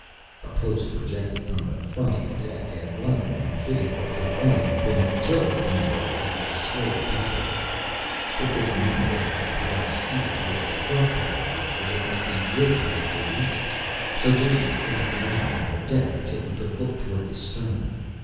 A post projected from the front of the deck and one of the men fitted what could only have been a tiller handle over the squared top of it. If this monolithic apparatus steered with the front pair of wheels it must be driven with the rear, so Jason flopped around on the deck until he could look towards the stern.